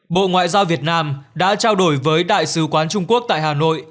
bộ ngoại giao việt nam đã trao đổi với đại sứ quán trung quốc tại hà nội